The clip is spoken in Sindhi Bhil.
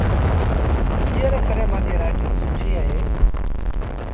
ايئي ري ڪري مآݩجيٚ رآئيٽيٚنگ سُٺيٚ اهي۔